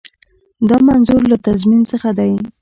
دا منظور له تضمین څخه دی.